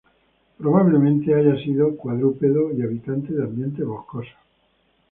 Probablemente haya sido cuadrúpedo y habitante de ambientes boscosos.